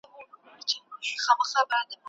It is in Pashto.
د مني ټولې پاڼې